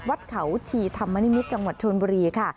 วัดเขาชีธรรมนิมิตรจังหวัดชนบุรีค่ะ